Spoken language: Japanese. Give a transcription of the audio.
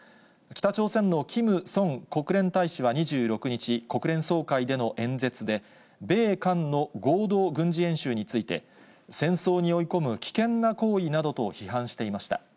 北朝鮮のキム・ソン国連大使は２６日、国連総会での演説で、米韓の合同軍事演習について、戦争に追い込む危険な行為などと批判していました。